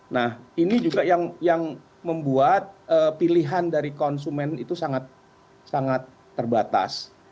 nah ini juga yang membuat pilihan dari konsumen itu sangat terbatas